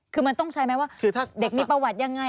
คือมันต้องใช้ไหมว่าเด็กมีประวัติอย่างไร